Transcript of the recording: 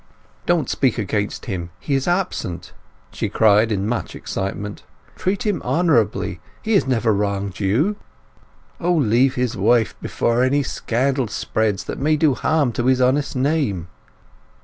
"Don't speak against him—he is absent!" she cried in much excitement. "Treat him honourably—he has never wronged you! O leave his wife before any scandal spreads that may do harm to his honest name!"